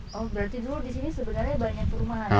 oh berarti dulu di sini sebenarnya banyak perumahan